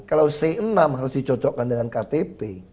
kalau c enam harus dicocokkan dengan ktp